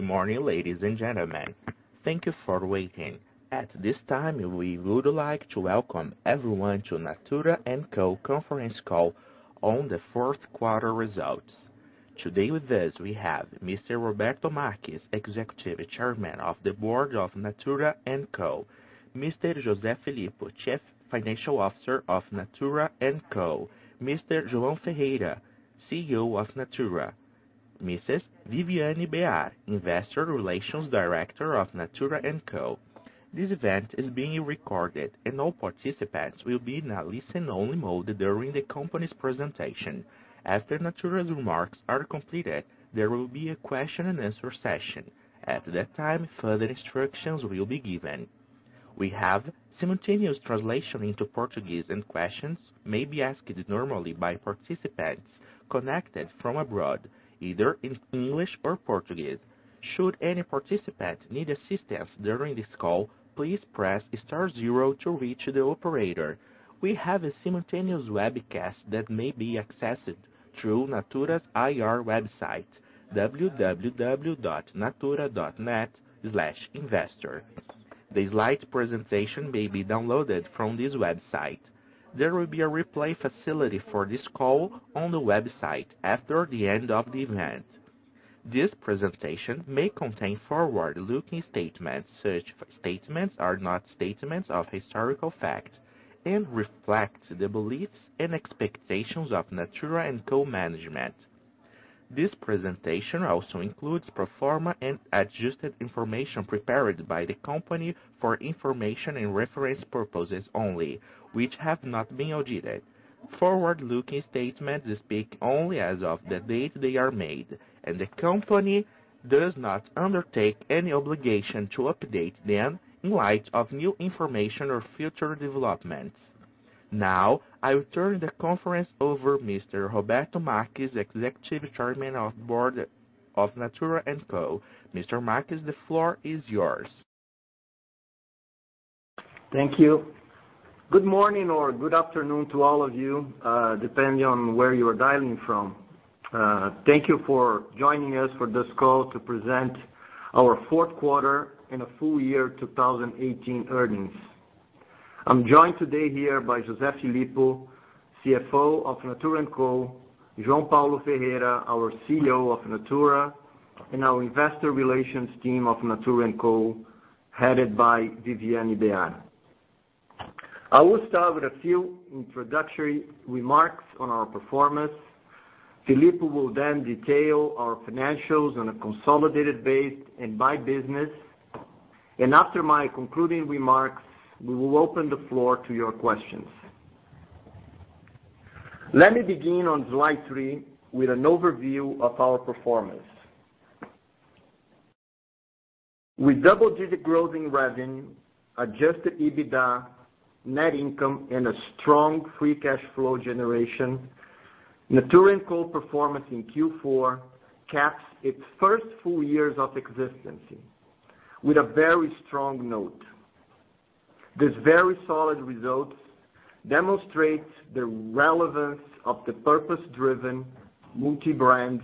Good morning, ladies and gentlemen. Thank you for waiting. At this time, we would like to welcome everyone to Natura conference call on the fourth quarter results. Today with us, we have Mr. Roberto Marques, Executive Chairman of the Board of Natura, Mr. José Filippo, Chief Financial Officer of Natura, Mr. João Paulo Ferreira, CEO of Natura, Mrs. Viviane Behar, Investor Relations Director of Natura This event is being recorded and all participants will be in a listen-only mode during the company's presentation. After Natura's remarks are completed, there will be a question and answer session. At that time, further instructions will be given. We have simultaneous translation into Portuguese, and questions may be asked normally by participants connected from abroad, either in English or Portuguese. Should any participant need assistance during this call, please press star zero to reach the operator. We have a simultaneous webcast that may be accessed through Natura's IR website, www.natura.net/investor. The slide presentation may be downloaded from this website. There will be a replay facility for this call on the website after the end of the event. This presentation may contain forward-looking statements. Such statements are not statements of historical fact and reflect the beliefs and expectations of Natura management. This presentation also includes pro forma and adjusted information prepared by the company for information and reference purposes only, which have not been audited. Forward-looking statements speak only as of the date they are made, and the company does not undertake any obligation to update them in light of new information or future developments. Now, I will turn the conference over Mr. Roberto Marques, Executive Chairman of the Board of Natura Mr. Marques, the floor is yours. Thank you. Good morning or good afternoon to all of you, depending on where you are dialing from. Thank you for joining us for this call to present our fourth quarter and a full year 2018 earnings. I'm joined today here by José Filippo, CFO of Natura, João Paulo Ferreira, our CEO of Natura, and our investor relations team of Natura, headed by Viviane Behar. I will start with a few introductory remarks on our performance. José Filippo will then detail our financials on a consolidated base and by business. After my concluding remarks, we will open the floor to your questions. Let me begin on slide three with an overview of our performance. With double-digit growth in revenue, adjusted EBITDA, net income, and a strong free cash flow generation, Natura's performance in Q4 caps its first full years of existence with a very strong note. These very solid results demonstrate the relevance of the purpose-driven, multi-brand,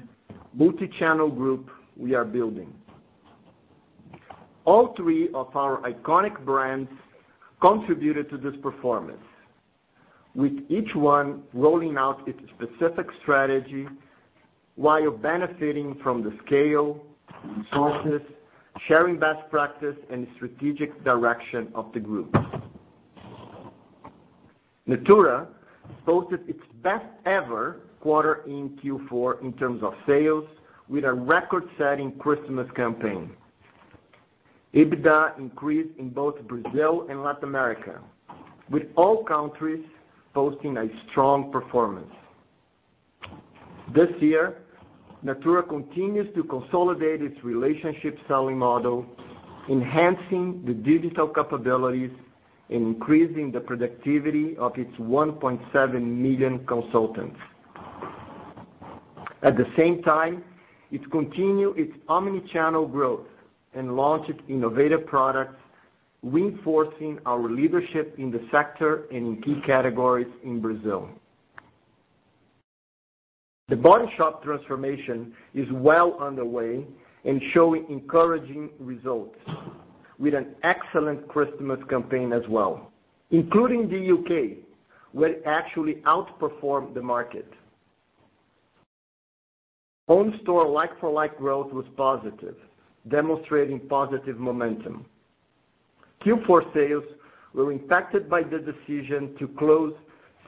multi-channel group we are building. All three of our iconic brands contributed to this performance, with each one rolling out its specific strategy while benefiting from the scale, resources, sharing best practice, and strategic direction of the group. Natura posted its best ever quarter in Q4 in terms of sales with a record-setting Christmas campaign. EBITDA increased in both Brazil and Latin America, with all countries posting a strong performance. This year, Natura continues to consolidate its relationship selling model, enhancing the digital capabilities and increasing the productivity of its 1.7 million consultants. At the same time, it continued its omni-channel growth and launched innovative products, reinforcing our leadership in the sector and in key categories in Brazil. The Body Shop transformation is well underway and showing encouraging results with an excellent Christmas campaign as well, including the U.K., where it actually outperformed the market. Home Store like-for-like growth was positive, demonstrating positive momentum. Q4 sales were impacted by the decision to close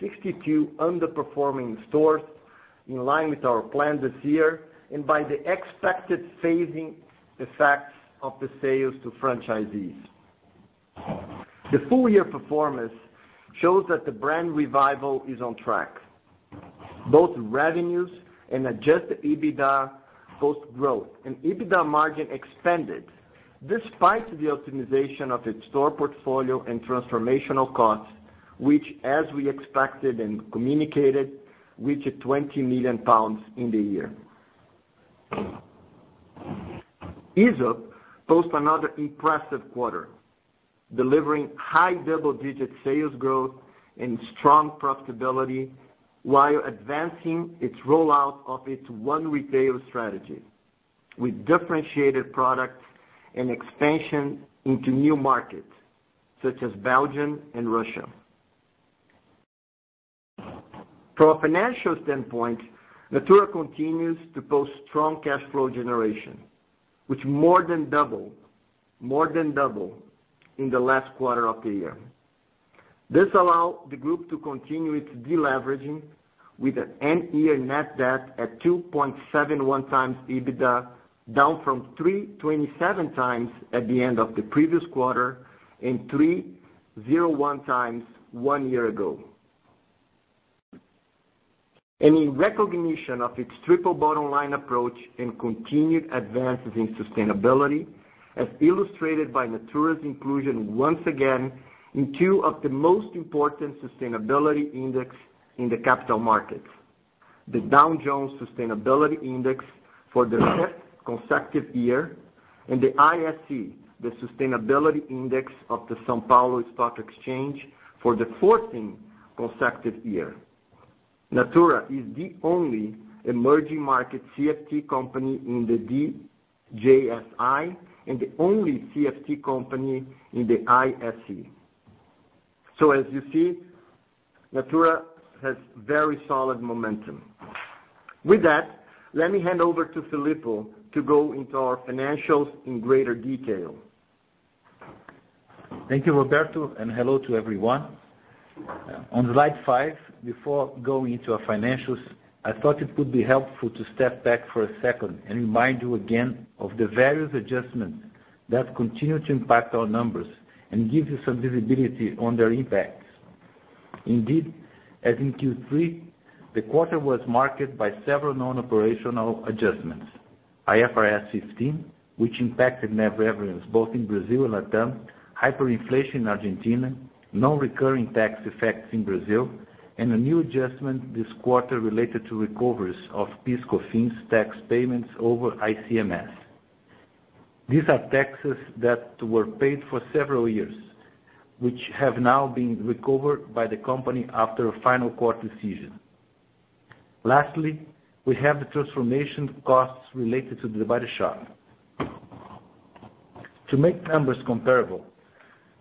62 underperforming stores in line with our plan this year and by the expected phasing effects of the sales to franchisees. The full-year performance shows that the brand revival is on track. Both revenues and adjusted EBITDA post growth and EBITDA margin expanded despite the optimization of its store portfolio and transformational costs, which as we expected and communicated, reached 20 million pounds in the year. Aesop posts another impressive quarter. Delivering high double-digit sales growth and strong profitability while advancing its rollout of its one retail strategy with differentiated products and expansion into new markets such as Belgium and Russia. From a financial standpoint, Natura continues to post strong cash flow generation, which more than double in the last quarter of the year. This allow the group to continue its deleveraging with an end year net debt at 2.71 times EBITDA, down from 3.27 times at the end of the previous quarter and 3.01 times one year ago. In recognition of its triple bottom line approach and continued advances in sustainability, as illustrated by Natura's inclusion once again in two of the most important sustainability index in the capital markets, the Dow Jones Sustainability Index for the fifth consecutive year, and the ISE, the Sustainability Index of the São Paulo Stock Exchange for the 14th consecutive year. Natura is the only emerging market CFT company in the DJSI and the only CFT company in the ISE. As you see, Natura has very solid momentum. With that, let me hand over to José Filippo to go into our financials in greater detail. Thank you, Roberto Marques, and hello to everyone. On slide five, before going into our financials, I thought it would be helpful to step back for a second and remind you again of the various adjustments that continue to impact our numbers and give you some visibility on their impacts. Indeed, as in Q3, the quarter was marked by several non-operational adjustments. IFRS 15, which impacted net revenues both in Brazil and LatAm, hyperinflation in Argentina, non-recurring tax effects in Brazil, and a new adjustment this quarter related to recoveries of PIS/Cofins tax payments over ICMS. These are taxes that were paid for several years, which have now been recovered by the company after a final court decision. Lastly, we have the transformation costs related to The Body Shop. To make numbers comparable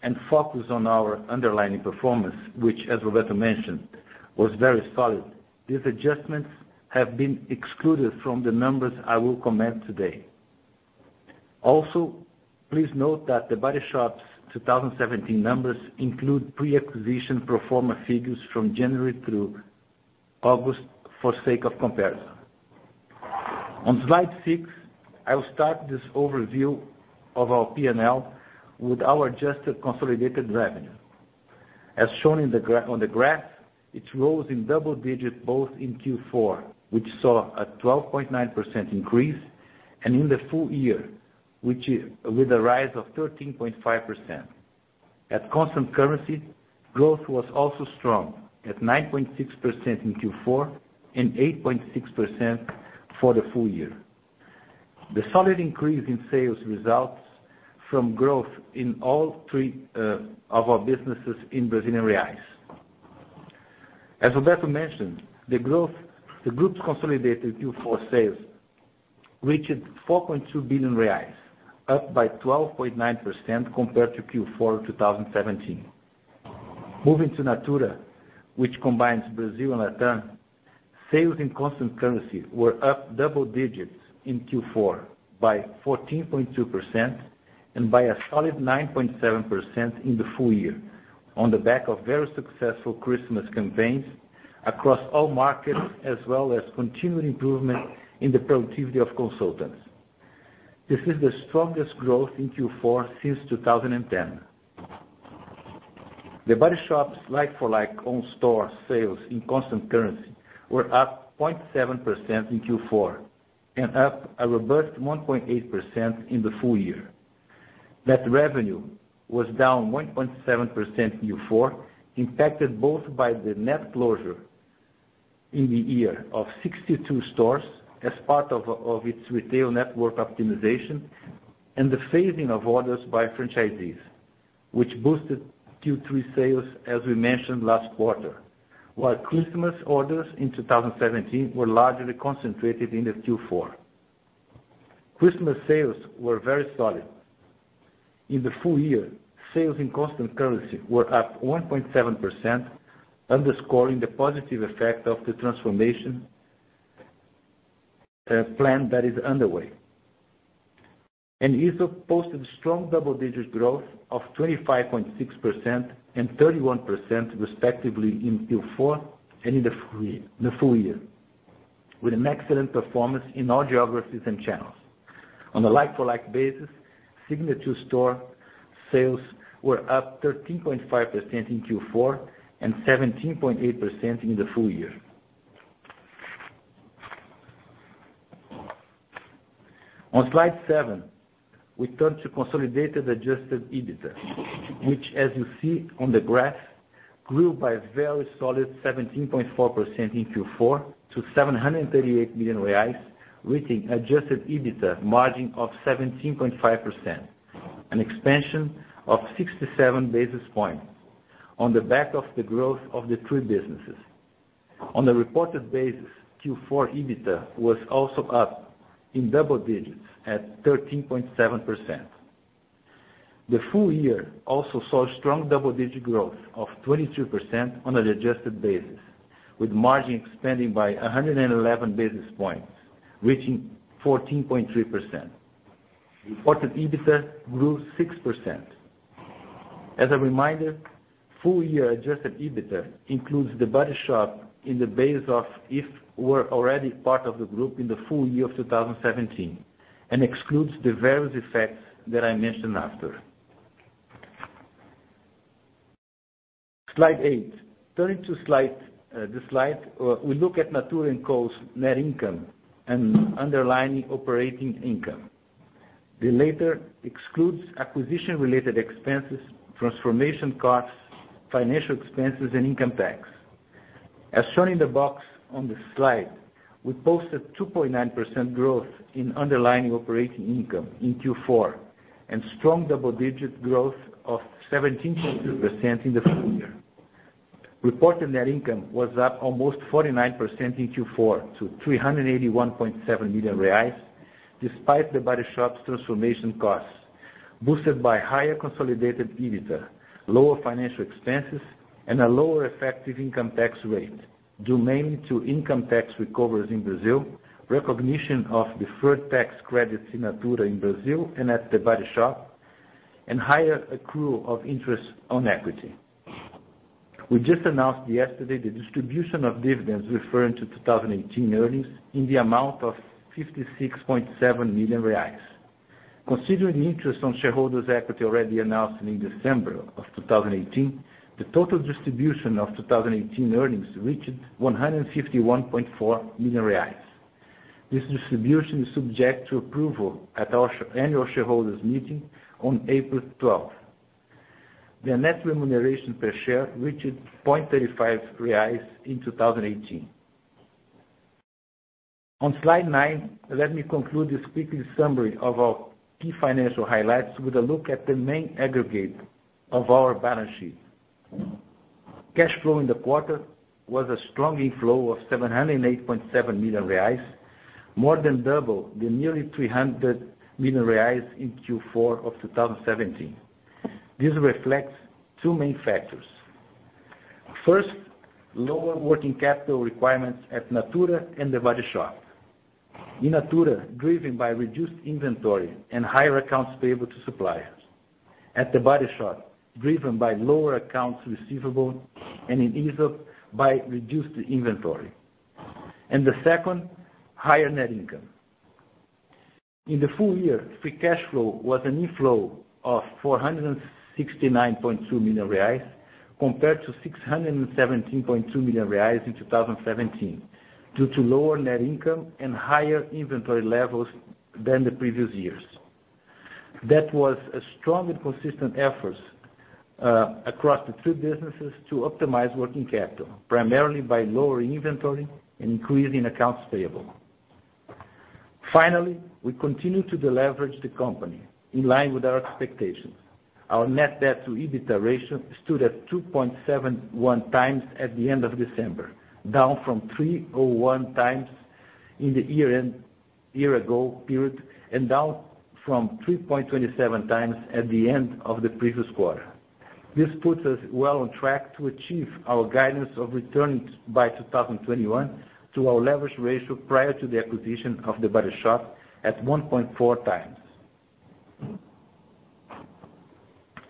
and focus on our underlying performance, which as Roberto Marques mentioned, was very solid, these adjustments have been excluded from the numbers I will comment today. Also, please note that The Body Shop's 2017 numbers include pre-acquisition pro forma figures from January through August for sake of comparison. On slide six, I will start this overview of our P&L with our adjusted consolidated revenue. As shown on the graph, it rose in double digits both in Q4, which saw a 12.9% increase, and in the full year, with a rise of 13.5%. At constant currency, growth was also strong at 9.6% in Q4 and 8.6% for the full year. The solid increase in sales results from growth in all three of our businesses in BRL. As Roberto Marques mentioned, the group's consolidated Q4 sales reached 4.2 billion reais, up by 12.9% compared to Q4 2017. Moving to Natura, which combines Brazil and LatAm, sales in constant currency were up double digits in Q4 by 14.2% and by a solid 9.7% in the full year on the back of very successful Christmas campaigns across all markets, as well as continued improvement in the productivity of consultants. This is the strongest growth in Q4 since 2010. The Body Shop's like-for-like own store sales in constant currency were up 0.7% in Q4 and up a robust 1.8% in the full year. Net revenue was down 1.7% in Q4, impacted both by the net closure in the year of 62 stores as part of its retail network optimization and the phasing of orders by franchisees, which boosted Q3 sales, as we mentioned last quarter. While Christmas orders in 2017 were largely concentrated in the Q4. Christmas sales were very solid. In the full year, sales in constant currency were up 1.7%, underscoring the positive effect of the transformation plan that is underway. Aesop posted strong double-digit growth of 25.6% and 31% respectively in Q4 and in the full year, with an excellent performance in all geographies and channels. On a like-for-like basis, signature store sales were up 13.5% in Q4 and 17.8% in the full year. On slide seven, we turn to consolidated adjusted EBITDA, which as you see on the graph, grew by a very solid 17.4% in Q4 to 738 million reais, reaching adjusted EBITDA margin of 17.5%, an expansion of 67 basis points on the back of the growth of the three businesses. On a reported basis, Q4 EBITDA was also up in double digits at 13.7%. The full year also saw strong double-digit growth of 23% on an adjusted basis, with margin expanding by 111 basis points, reaching 14.3%. Reported EBITDA grew 6%. As a reminder, full year adjusted EBITDA includes The Body Shop in the base of if were already part of the group in the full year of 2017, and excludes the various effects that I mention after. Slide eight. Turning to the slide, we look at Natura's net income and underlying operating income. The latter excludes acquisition-related expenses, transformation costs, financial expenses, and income tax. As shown in the box on the slide, we posted 2.9% growth in underlying operating income in Q4, and strong double-digit growth of 17.2% in the full year. Reported net income was up almost 49% in Q4 to 381.7 million reais, despite The Body Shop's transformation costs, boosted by higher consolidated EBITDA, lower financial expenses, and a lower effective income tax rate, due mainly to income tax recovers in Brazil, recognition of deferred tax credits in Natura in Brazil and at The Body Shop, and higher accrual of interest on equity. We just announced yesterday the distribution of dividends referring to 2018 earnings in the amount of 56.7 million reais. Considering the interest on shareholders' equity already announced in December of 2018, the total distribution of 2018 earnings reached 151.4 million reais. This distribution is subject to approval at our annual shareholders' meeting on April 12th. The net remuneration per share reached 0.35 reais in 2018. On slide nine, let me conclude this quick summary of our key financial highlights with a look at the main aggregate of our balance sheet. Cash flow in the quarter was a strong inflow of 708.7 million reais, more than double the nearly 300 million reais in Q4 of 2017. This reflects two main factors. First, lower working capital requirements at Natura and The Body Shop. In Natura, driven by reduced inventory and higher accounts payable to suppliers. At The Body Shop, driven by lower accounts receivable, and in Aesop by reduced inventory. The second, higher net income. In the full year, free cash flow was an inflow of 469.2 million reais compared to 617.2 million reais in 2017, due to lower net income and higher inventory levels than the previous years. That was a strong and consistent effort across the three businesses to optimize working capital, primarily by lowering inventory and increasing accounts payable. Finally, we continue to deleverage the company in line with our expectations. Our net debt to EBITDA ratio stood at 2.71 times at the end of December, down from 3.01 times in the year ago period, and down from 3.27 times at the end of the previous quarter. This puts us well on track to achieve our guidance of returning by 2021 to our leverage ratio prior to the acquisition of The Body Shop at 1.4 times.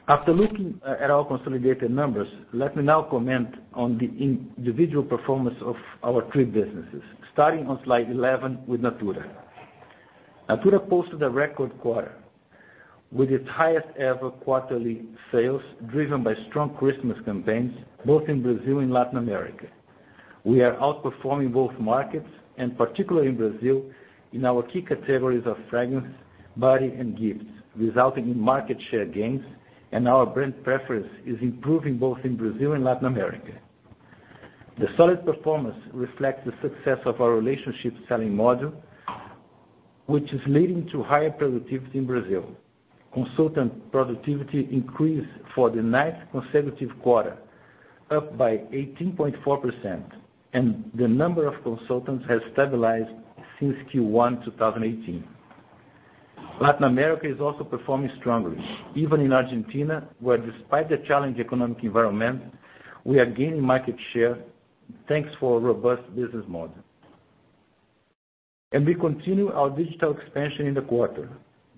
After looking at our consolidated numbers, let me now comment on the individual performance of our three businesses, starting on slide 11 with Natura. Natura posted a record quarter with its highest ever quarterly sales, driven by strong Christmas campaigns both in Brazil and Latin America. We are outperforming both markets, and particularly in Brazil, in our key categories of fragrance, body, and gifts, resulting in market share gains, and our brand preference is improving both in Brazil and Latin America. The solid performance reflects the success of our relationship selling model, which is leading to higher productivity in Brazil. Consultant productivity increased for the ninth consecutive quarter, up by 18.4%, and the number of consultants has stabilized since Q1 2018. Latin America is also performing strongly, even in Argentina, where despite the challenging economic environment, we are gaining market share thanks for a robust business model. We continue our digital expansion in the quarter.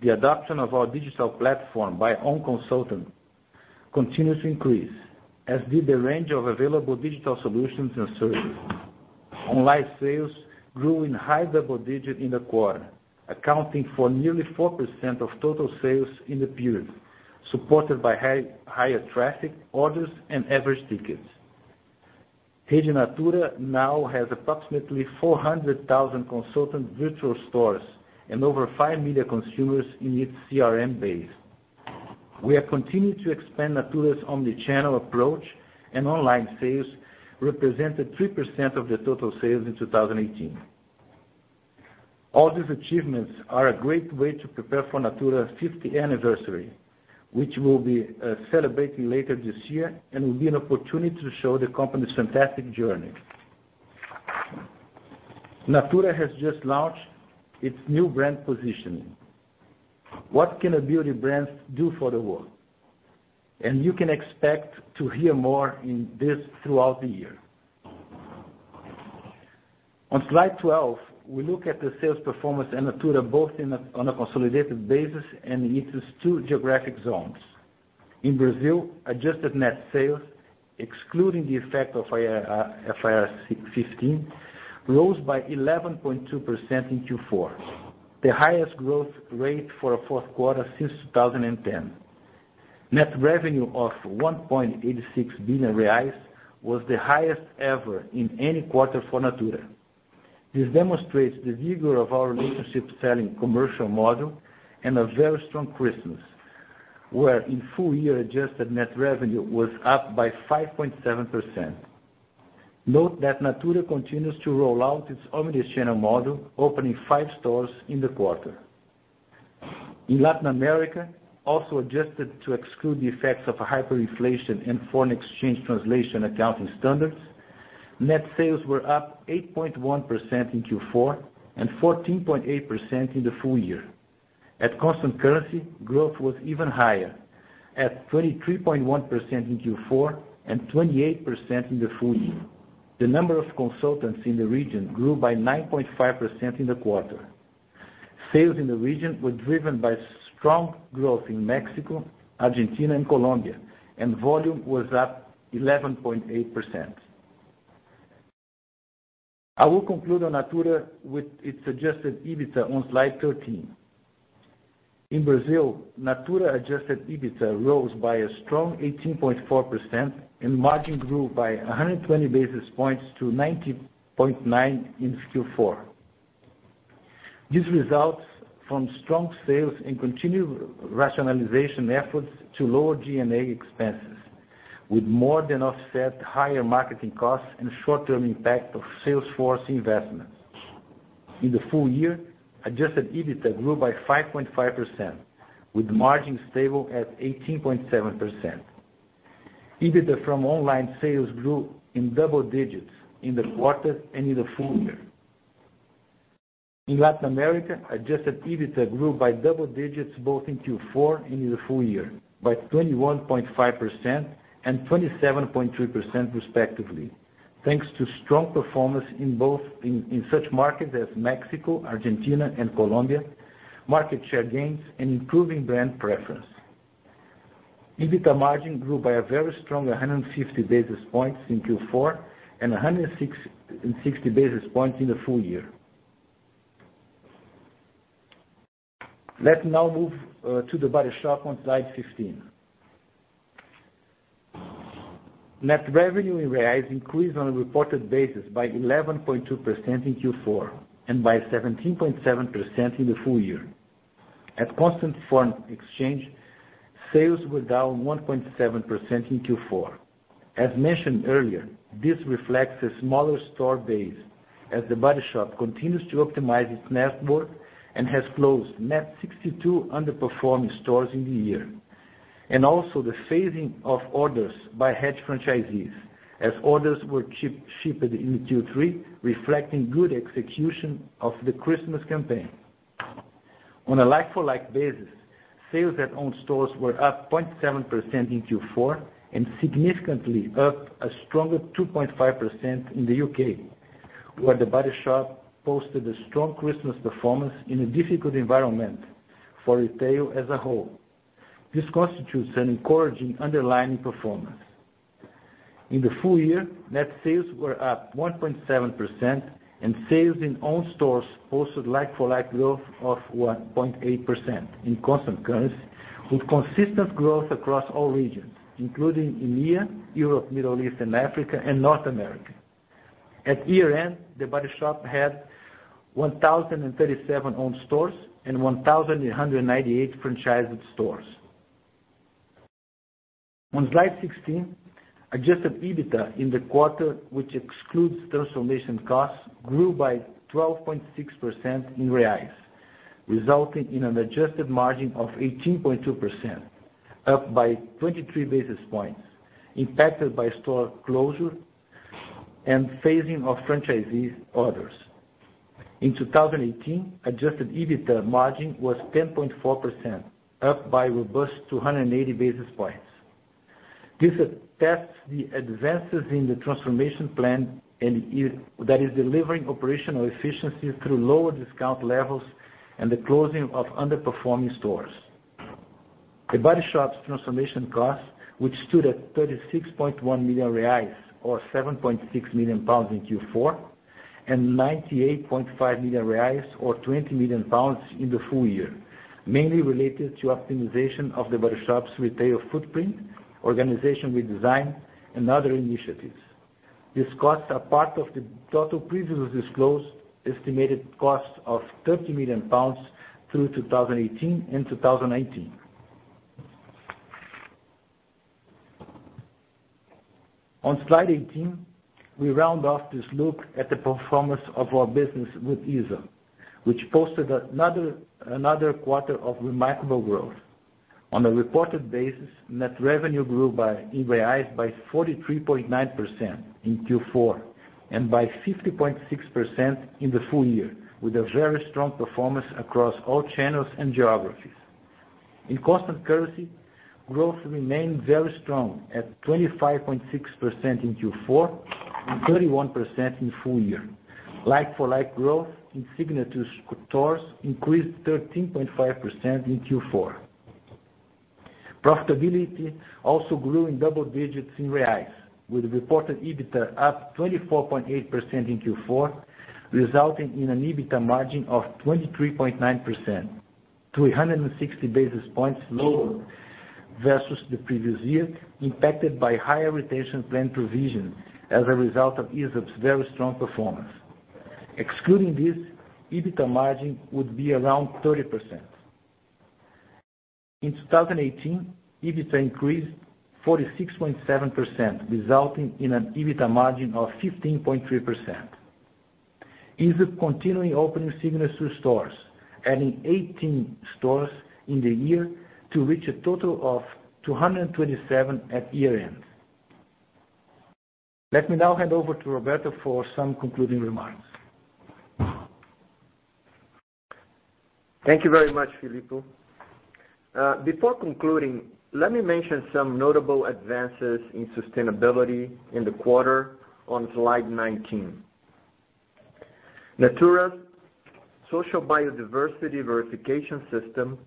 The adoption of our digital platform by own consultants continues to increase, as did the range of available digital solutions and services. Online sales grew in high double digits in the quarter, accounting for nearly 4% of total sales in the period, supported by higher traffic, orders, and average tickets. Rede Natura now has approximately 400,000 consultant virtual stores and over five million consumers in its CRM base. We are continuing to expand Natura's omni-channel approach, and online sales represented 3% of the total sales in 2018. All these achievements are a great way to prepare for Natura's 50 anniversary, which we'll be celebrating later this year and will be an opportunity to show the company's fantastic journey. Natura has just launched its new brand positioning. What can a beauty brand do for the world? You can expect to hear more in this throughout the year. On slide 12, we look at the sales performance in Natura, both on a consolidated basis and in its two geographic zones. In Brazil, adjusted net sales, excluding the effect of IFRS 15, rose by 11.2% in Q4, the highest growth rate for a fourth quarter since 2010. Net revenue of 1.86 billion reais was the highest ever in any quarter for Natura. This demonstrates the vigor of our relationship selling commercial model and a very strong Christmas, where in full year adjusted net revenue was up by 5.7%. Note that Natura continues to roll out its omni-channel model, opening five stores in the quarter. In Latin America, also adjusted to exclude the effects of hyperinflation and foreign exchange translation accounting standards, net sales were up 8.1% in Q4 and 14.8% in the full year. At constant currency, growth was even higher at 23.1% in Q4 and 28% in the full year. The number of consultants in the region grew by 9.5% in the quarter. Sales in the region were driven by strong growth in Mexico, Argentina, and Colombia, and volume was up 11.8%. I will conclude on Natura with its adjusted EBITDA on slide 13. In Brazil, Natura adjusted EBITDA rose by a strong 18.4% and margin grew by 120 basis points to 90.9% in Q4. This results from strong sales and continued rationalization efforts to lower G&A expenses, with more than offset higher marketing costs and short-term impact of sales force investments. In the full year, adjusted EBITDA grew by 5.5%, with margin stable at 18.7%. EBITDA from online sales grew in double digits in the quarter and in the full year. In Latin America, adjusted EBITDA grew by double digits both in Q4 and in the full year by 21.5% and 27.3% respectively, thanks to strong performance in such markets as Mexico, Argentina, and Colombia, market share gains, and improving brand preference. EBITDA margin grew by a very strong 150 basis points in Q4 and 160 basis points in the full year. Let's now move to The Body Shop on slide 15. Net revenue in BRL increased on a reported basis by 11.2% in Q4 and by 17.7% in the full year. At constant foreign exchange, sales were down 1.7% in Q4. As mentioned earlier, this reflects a smaller store base as The Body Shop continues to optimize its network and has closed net 62 underperforming stores in the year. Also the phasing of orders by hedge franchisees as orders were shipped in Q3, reflecting good execution of the Christmas campaign. On a like-for-like basis, sales at owned stores were up 0.7% in Q4 and significantly up a stronger 2.5% in the U.K., where The Body Shop posted a strong Christmas performance in a difficult environment for retail as a whole. This constitutes an encouraging underlying performance. In the full year, net sales were up 1.7% and sales in owned stores posted like-for-like growth of 1.8% in constant currency, with consistent growth across all regions, including EMEA, Europe, Middle East and Africa, and North America. At year-end, The Body Shop had 1,037 owned stores and 1,198 franchised stores. On slide 16, adjusted EBITDA in the quarter, which excludes transformation costs, grew by 12.6% in BRL, resulting in an adjusted margin of 18.2%, up by 23 basis points, impacted by store closure and phasing of franchisees' orders. In 2018, adjusted EBITDA margin was 10.4%, up by a robust 280 basis points. This attests the advances in the transformation plan that is delivering operational efficiencies through lower discount levels and the closing of underperforming stores. The Body Shop's transformation costs, which stood at 36.1 million reais or 7.6 million pounds in Q4. 98.5 million reais, or 20 million pounds in the full year, mainly related to optimization of The Body Shop's retail footprint, organization redesign, and other initiatives. These costs are part of the total previously disclosed estimated costs of 30 million pounds through 2018 and 2019. On slide 18, we round off this look at the performance of our business with Aesop, which posted another quarter of remarkable growth. On a reported basis, net revenue grew in BRL by 43.9% in Q4, and by 50.6% in the full year, with a very strong performance across all channels and geographies. In constant currency, growth remained very strong at 25.6% in Q4 and 31% in full year. Like-for-like growth in signature stores increased 13.5% in Q4. Profitability also grew in double digits in BRL, with reported EBITDA up 24.8% in Q4, resulting in an EBITDA margin of 23.9%, 360 basis points lower versus the previous year, impacted by higher retention plan provision as a result of Aesop's very strong performance. Excluding this, EBITDA margin would be around 30%. In 2018, EBITDA increased 46.7%, resulting in an EBITDA margin of 15.3%. Aesop continuing opening signature stores, adding 18 stores in the year to reach a total of 227 at year-end. Let me now hand over to Roberto Marques for some concluding remarks. Thank you very much, José Filippo. Before concluding, let me mention some notable advances in sustainability in the quarter on slide 19. Natura's Sociobiodiversity Verification System,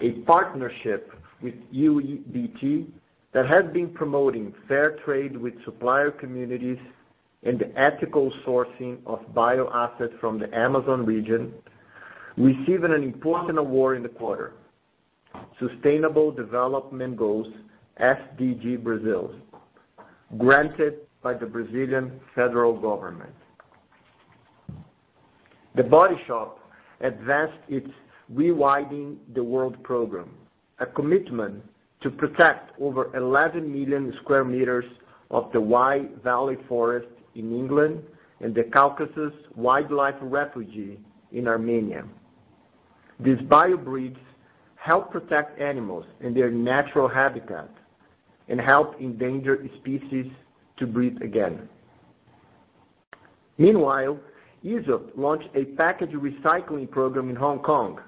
a partnership with UEBT that has been promoting fair trade with supplier communities and the ethical sourcing of bioassets from the Amazon region, received an important award in the quarter. Sustainable Development Goals, SDG Brazil Award, granted by the Brazilian federal government. The Body Shop advanced its Rewilding the World program, a commitment to protect over 11 million square meters of the Wye Valley Forest in England and the Caucasus Wildlife Refuge in Armenia. These bio-bridges help protect animals and their natural habitat and help endangered species to breed again. Meanwhile, Aesop launched a package recycling program in Hong Kong,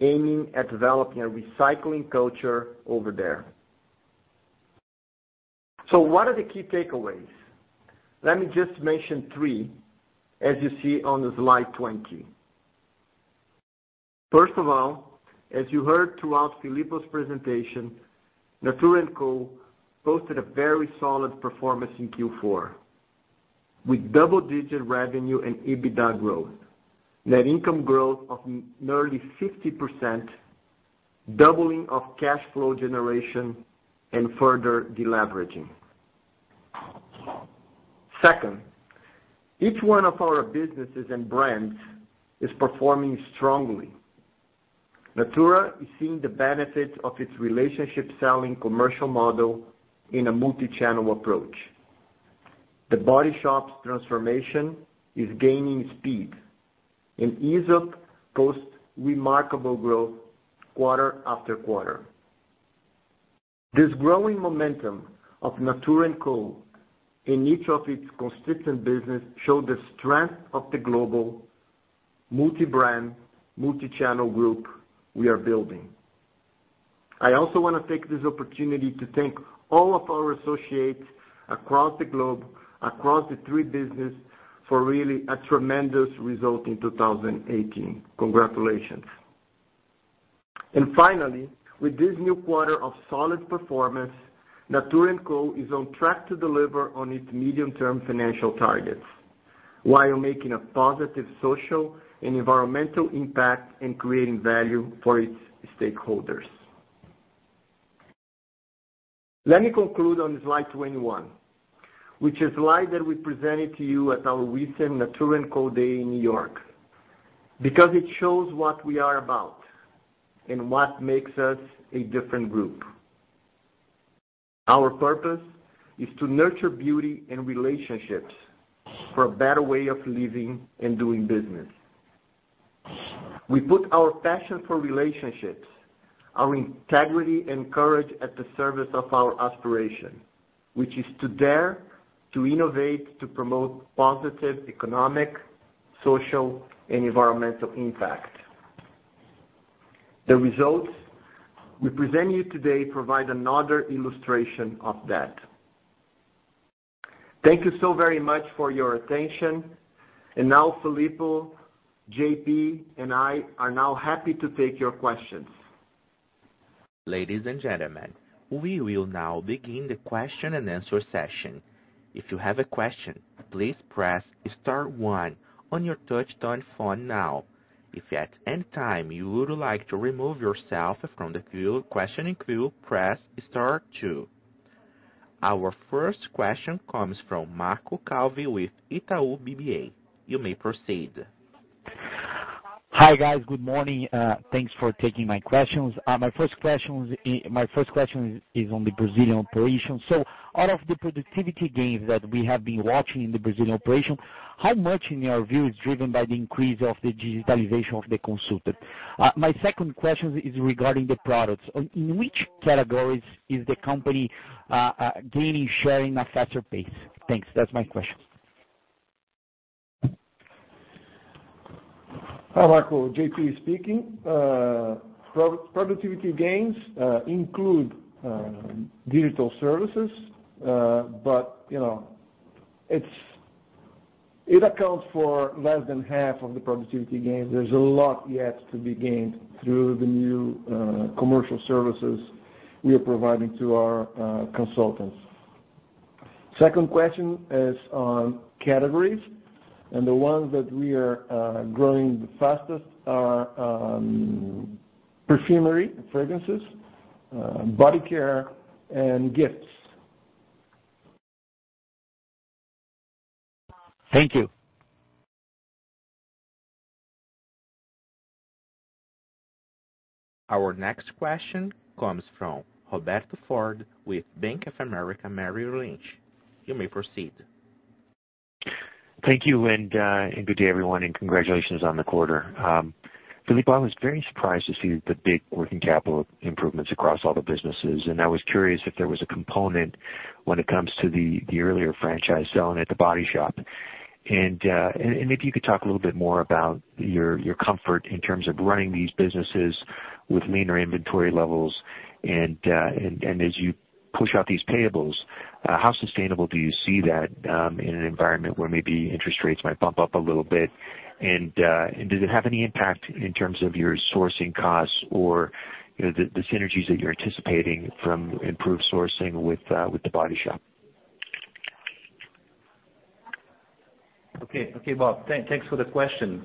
aiming at developing a recycling culture over there. What are the key takeaways? Let me just mention three, as you see on the slide 20. First of all, as you heard throughout Filippo's presentation, Natura posted a very solid performance in Q4. With double-digit revenue and EBITDA growth, net income growth of nearly 50%, doubling of cash flow generation, and further deleveraging. Second, each one of our businesses and brands is performing strongly. Natura is seeing the benefits of its relationship selling commercial model in a multi-channel approach. The Body Shop's transformation is gaining speed and Aesop posts remarkable growth quarter after quarter. This growing momentum of Natura in each of its constituent business show the strength of the global multi-brand, multi-channel group we are building. I also want to take this opportunity to thank all of our associates across the globe, across the three business for really a tremendous result in 2018. Congratulations. Finally, with this new quarter of solid performance, Natura is on track to deliver on its medium-term financial targets, while making a positive social and environmental impact and creating value for its stakeholders. Let me conclude on slide 21, which is a slide that we presented to you at our recent Natura Day in New York, because it shows what we are about and what makes us a different group. Our purpose is to nurture beauty and relationships for a better way of living and doing business. We put our passion for relationships, our integrity, and courage at the service of our aspiration, which is to dare to innovate, to promote positive economic, social, and environmental impact. The results we present you today provide another illustration of that. Thank you so very much for your attention. Now José Filippo, João Paulo Ferreira, and I are now happy to take your questions. Ladies and gentlemen, we will now begin the question and answer session. If you have a question, please press star one on your touch-tone phone now. If at any time you would like to remove yourself from the questioning queue, press star two. Our first question comes from Marco Calvi with Itaú BBA. You may proceed. Hi, guys. Good morning. Thanks for taking my questions. My first question is on the Brazilian operation. Out of the productivity gains that we have been watching in the Brazilian operation, how much, in your view, is driven by the increase of the digitalization of the consultant? My second question is regarding the products. In which categories is the company gaining share in a faster pace? Thanks. That's my questions. Hi, Marco Calvi, João Paulo Ferreira speaking. Productivity gains include digital services, but it accounts for less than half of the productivity gains. There's a lot yet to be gained through the new commercial services we are providing to our consultants. Second question is on categories. The ones that we are growing the fastest are perfumery, fragrances, body care, and gifts. Thank you. Our next question comes from Robert Ford with Bank of America Merrill Lynch. You may proceed. Thank you. Good day, everyone, and congratulations on the quarter. José Filippo, I was very surprised to see the big working capital improvements across all the businesses. I was curious if there was a component when it comes to the earlier franchise selling at The Body Shop. Maybe you could talk a little bit more about your comfort in terms of running these businesses with leaner inventory levels. As you push out these payables, how sustainable do you see that in an environment where maybe interest rates might bump up a little bit? Does it have any impact in terms of your sourcing costs or the synergies that you're anticipating from improved sourcing with The Body Shop? Okay. Robert Ford, thanks for the question.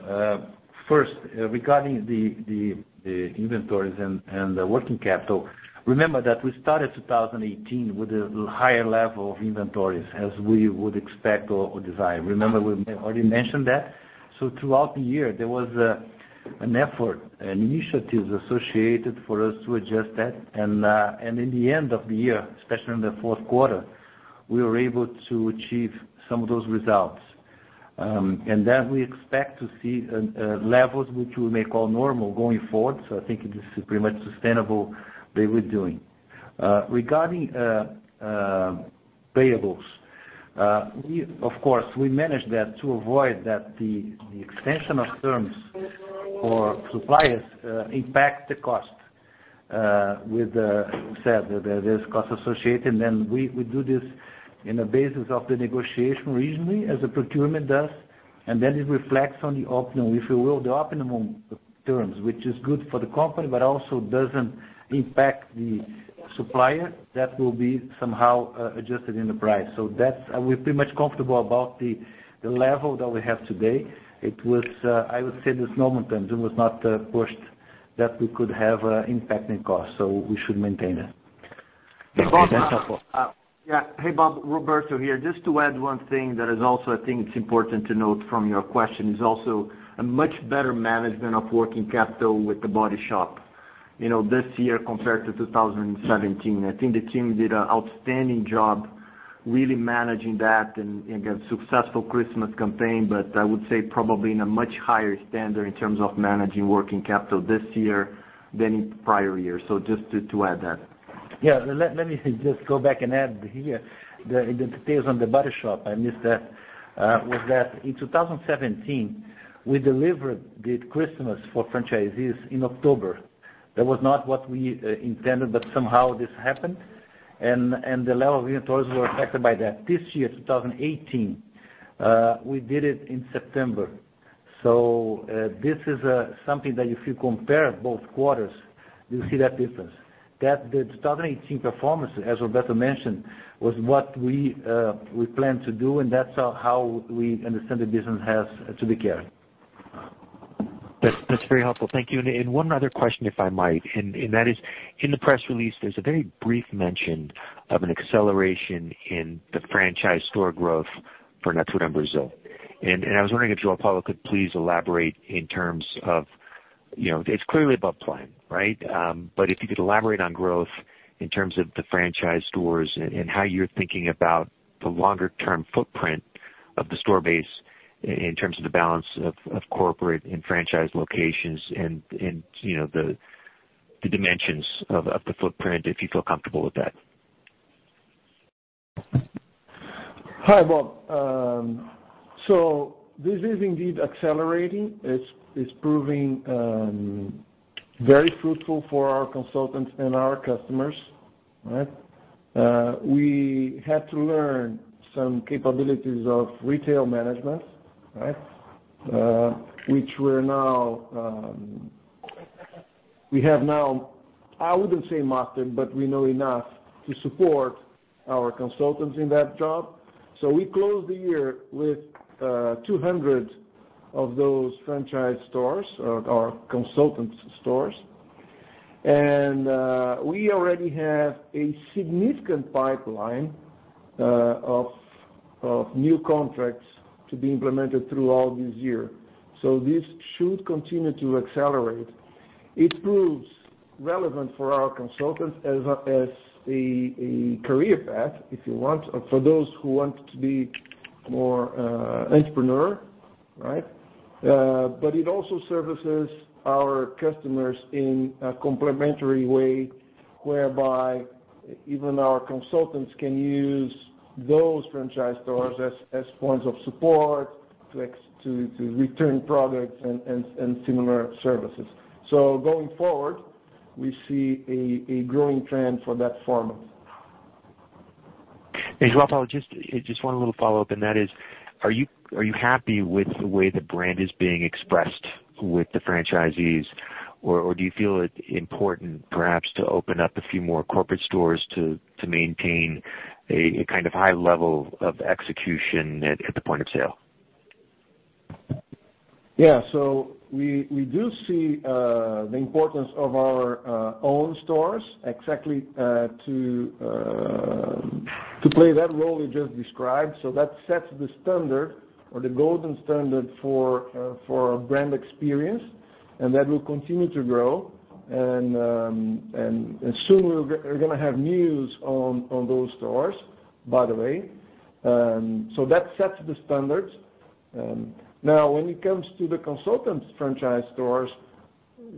First, regarding the inventories and the working capital. Remember that we started 2018 with a higher level of inventories as we would expect or desire. Remember, we already mentioned that. Throughout the year, there was an effort and initiatives associated for us to adjust that. In the end of the year, especially in the fourth quarter, we were able to achieve some of those results. That we expect to see levels which we may call normal going forward. I think it is pretty much sustainable that we're doing. Regarding payables. Of course, we managed that to avoid that the extension of terms for suppliers impacts the cost. As you said, there's cost associated. We do this in a basis of the negotiation reasonably as the procurement does. It then reflects on the optimum, if you will, the optimum terms, which is good for the company, but also doesn't impact the supplier that will be somehow adjusted in the price. We're pretty much comfortable about the level that we have today. I would say this is normal terms. It was not pushed that we could have impact in cost. We should maintain that. Hey, Robert Ford. Roberto Marques here. Just to add one thing that is also, I think, it's important to note from your question is also a much better management of working capital with The Body Shop this year compared to 2017. I think the team did an outstanding job really managing that and again, successful Christmas campaign. I would say probably in a much higher standard in terms of managing working capital this year than in prior years. Just to add that. Yeah. Let me just go back and add here the details on The Body Shop. I missed that. Was that in 2017, we delivered the Christmas for franchisees in October. That was not what we intended, but somehow this happened. The level of inventories were affected by that. This year, 2018, we did it in September. This is something that if you compare both quarters, you see that difference. That the 2018 performance, as Roberto mentioned, was what we planned to do, and that's how we understand the business has to be carried. That's very helpful. Thank you. One other question, if I might, and that is, in the press release, there's a very brief mention of an acceleration in the franchise store growth for Natura in Brazil. I was wondering if João Paulo could please elaborate. It's clearly above plan. Right? If you could elaborate on growth in terms of the franchise stores and how you're thinking about the longer-term footprint of the store base in terms of the balance of corporate and franchise locations and the dimensions of the footprint, if you feel comfortable with that. Hi, Robert Ford. This is indeed accelerating. It's proving very fruitful for our consultants and our customers. Right. We had to learn some capabilities of retail management. We have now, I wouldn't say mastered, but we know enough to support our consultants in that job. We closed the year with 200 of those franchise stores or consultant stores. We already have a significant pipeline of new contracts to be implemented throughout this year. This should continue to accelerate. It proves relevant for our consultants as a career path, if you want, or for those who want to be more entrepreneur. It also services our customers in a complementary way, whereby even our consultants can use those franchise stores as points of support to return products and similar services. Going forward, we see a growing trend for that format. Hey, João Paulo Ferreira, just one little follow-up, that is: Are you happy with the way the brand is being expressed with the franchisees, or do you feel it important perhaps to open up a few more corporate stores to maintain a kind of high level of execution at the point of sale? Yeah. We do see the importance of our own stores exactly to play that role you just described. That sets the standard or the golden standard for brand experience, and that will continue to grow. Soon we're going to have news on those stores, by the way. That sets the standards. Now, when it comes to the consultants' franchise stores,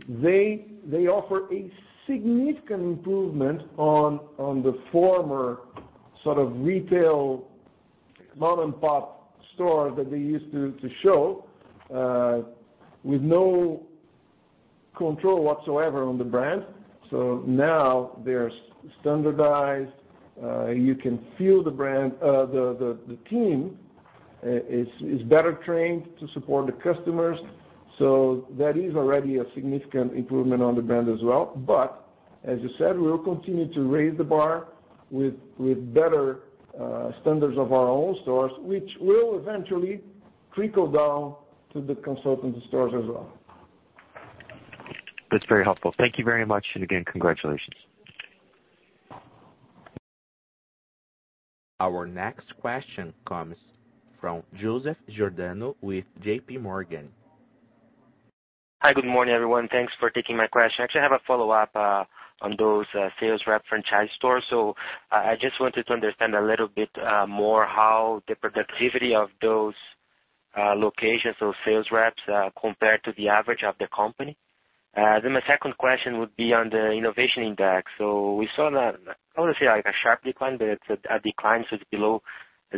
they offer a significant improvement on the former sort of retail mom-and-pop store that they used to show with no control whatsoever on the brand. Now they're standardized. You can feel the team is better trained to support the customers. That is already a significant improvement on the brand as well. As you said, we'll continue to raise the bar with better standards of our own stores, which will eventually trickle down to the consultant stores as well. That's very helpful. Thank you very much. Again, congratulations. Our next question comes from Joseph Giordano with JPMorgan. Hi, good morning, everyone. Thanks for taking my question. Actually, I have a follow-up on those sales rep franchise stores. I just wanted to understand a little bit more how the productivity of those locations or sales reps compare to the average of the company. My second question would be on the innovation index. We saw that, I wouldn't say like a sharp decline, but a decline. It's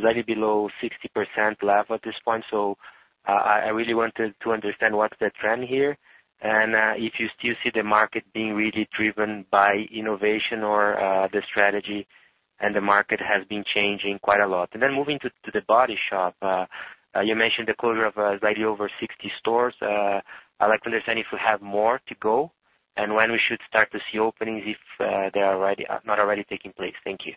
slightly below 60% left at this point. I really wanted to understand what's the trend here, and if you still see the market being really driven by innovation or the strategy, and the market has been changing quite a lot. Moving to The Body Shop. You mentioned the closure of slightly over 60 stores. I'd like to understand if we have more to go and when we should start to see openings if they are not already taking place. Thank you.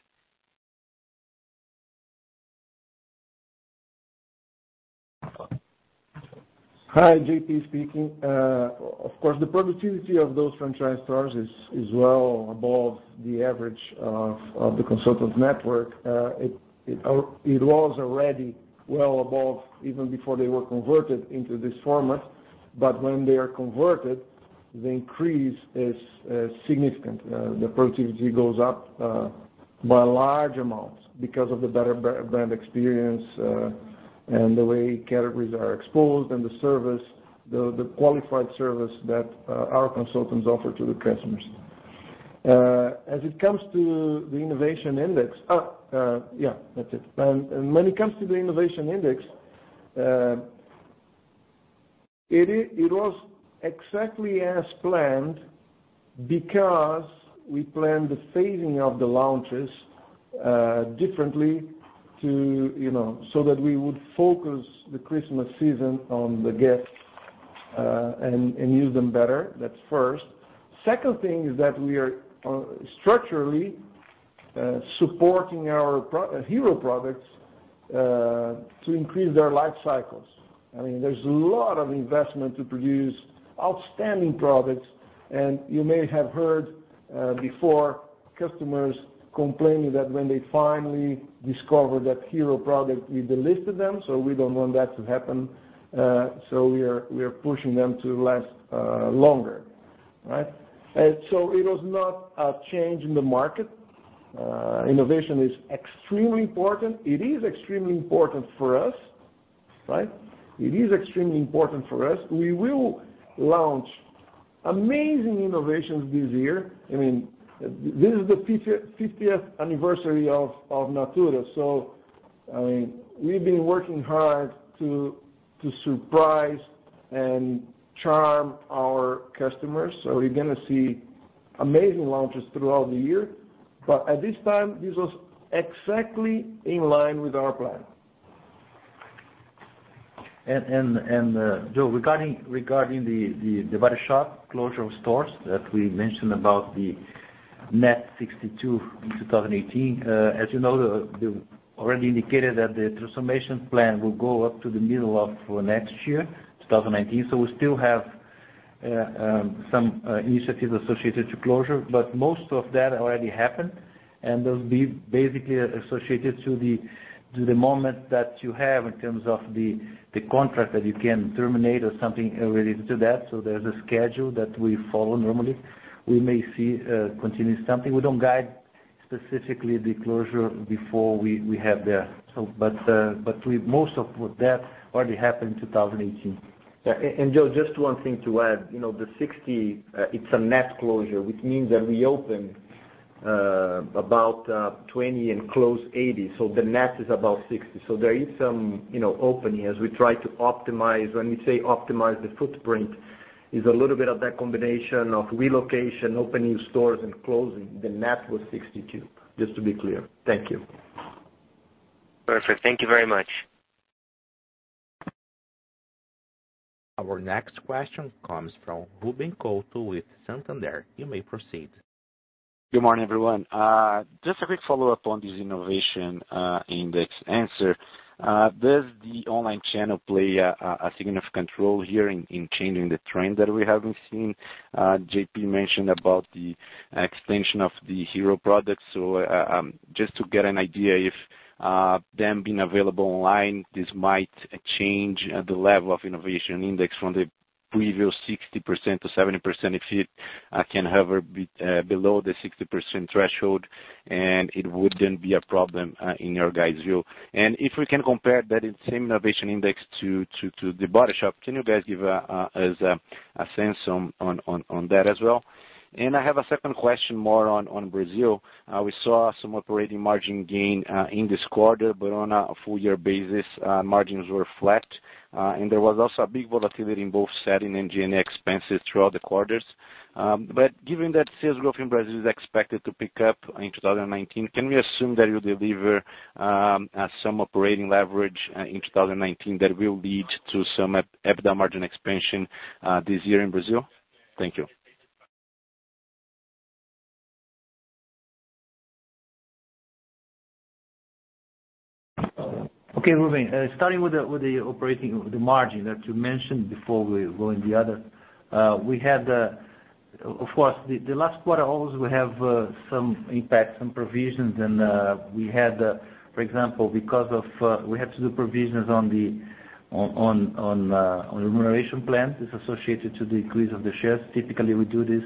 Hi, João Paulo Ferreira speaking. Of course, the productivity of those franchise stores is well above the average of the consultant network. It was already well above even before they were converted into this format. When they are converted, the increase is significant. The productivity goes up by large amounts because of the better brand experience, and the way categories are exposed and the service, the qualified service that our consultants offer to the customers. Yeah, that's it. When it comes to the innovation index, it was exactly as planned because we planned the phasing of the launches differently so that we would focus the Christmas season on the gifts, and use them better. That's first. Second thing is that we are structurally supporting our hero products, to increase their life cycles. There's a lot of investment to produce outstanding products. You may have heard before customers complaining that when they finally discover that hero product, we delisted them. We don't want that to happen, so we are pushing them to last longer. Right? It was not a change in the market. Innovation is extremely important. It is extremely important for us. We will launch amazing innovations this year. This is the 50th anniversary of Natura, so I mean, we've been working hard to surprise and charm our customers. You're going to see amazing launches throughout the year. At this time, this was exactly in line with our plan. João Paulo Ferreira, regarding The Body Shop closure of stores that we mentioned about the net 62 in 2018. As you know, we already indicated that the transformation plan will go up to the middle of next year, 2019. We still have some initiatives associated to closure. Most of that already happened, and those will be basically associated to the moment that you have in terms of the contract that you can terminate or something related to that. There's a schedule that we follow normally. We may see continuous something. We don't guide specifically the closure before we have that. Most of that already happened in 2018. João Paulo Ferreira, just one thing to add. The 60%, it's a net closure, which means that we opened about 20% and closed 80%. The net is about 60%. There is some opening as we try to optimize. When we say optimize the footprint, is a little bit of that combination of relocation, opening stores, and closing. The net was 62%, just to be clear. Thank you. Perfect. Thank you very much. Our next question comes from Ruben Couto with Santander. You may proceed. Good morning, everyone. Just a quick follow-up on this innovation index answer. Does the online channel play a significant role here in changing the trend that we haven't seen? João Paulo Ferreira mentioned about the extension of the hero products. Just to get an idea, if them being available online, this might change the level of innovation index from the previous 60% to 70% if it can hover below the 60% threshold, and it wouldn't be a problem in your guys' view. If we can compare that same innovation index to The Body Shop, can you guys give us a sense on that as well? I have a second question more on Brazil. We saw some operating margin gain in this quarter, on a full-year basis margins were flat. There was also a big volatility in both selling and G&A expenses throughout the quarters. Given that sales growth in Brazil is expected to pick up in 2019, can we assume that you'll deliver some operating leverage in 2019 that will lead to some EBITDA margin expansion this year in Brazil? Thank you. Okay, Ruben Couto. Starting with the margin that you mentioned before we go in the other. Of course, the last quarter, always we have some impact, some provisions. We had, for example, because we had to do provisions on the remuneration plan. This associated to the increase of the shares. Typically, we do this.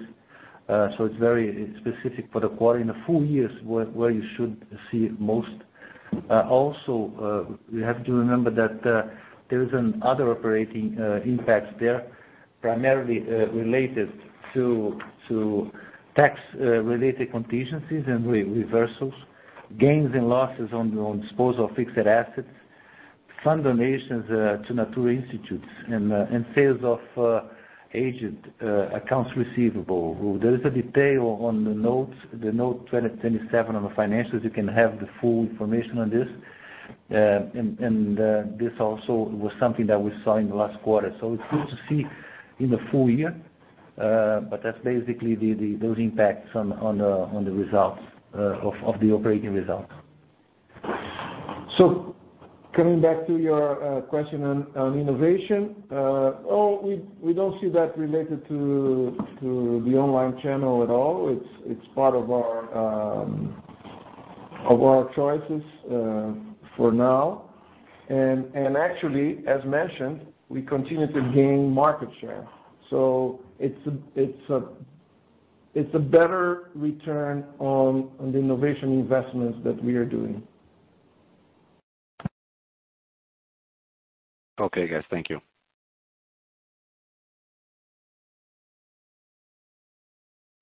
It's very specific for the quarter. In the full year is where you should see it most. Also, you have to remember that there is another operating impact there, primarily related to tax-related contingencies and reversals, gains and losses on disposal of fixed assets, fund donations to Natura Institute, and sales of aged accounts receivable. There is a detail on the note 2027 on the financials. You can have the full information on this. This also was something that we saw in the last quarter. It's good to see in the full year. That's basically those impacts on the results of the operating results. Coming back to your question on innovation. We don't see that related to the online channel at all. It's part of our choices for now. Actually, as mentioned, we continue to gain market share. It's a better return on the innovation investments that we are doing. Okay, guys. Thank you.